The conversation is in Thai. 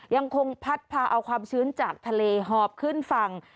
ยังคงพัดพาเอาความชื้นจากทะเลหอบขึ้นฝั่ง